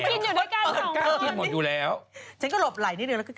พี่คุณกินอยู่ด้วยกัน๒คนฉันก็หลบไหลนิดนึงแล้วก็